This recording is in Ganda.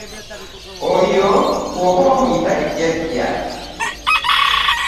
Oyo ggwe oba omuyita jjajja.